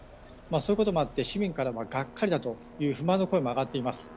そういうこともあって市民からは、がっかりだという不満の声も上がっています。